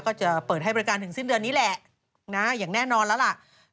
ก็จะเปิดให้บริการถึงสิ้นเดือนนี้แหละนะอย่างแน่นอนแล้วล่ะ